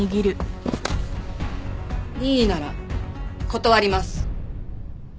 任意なら断ります！